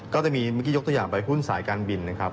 ก็จะมีเมื่อกี้ยกตัวอย่างไปหุ้นสายการบินนะครับ